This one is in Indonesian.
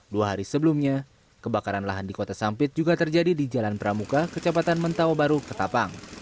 dua hari sebelumnya kebakaran lahan di kota sampit juga terjadi di jalan pramuka kecamatan mentawa baru ketapang